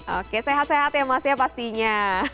oke sehat sehat ya mas ya pastinya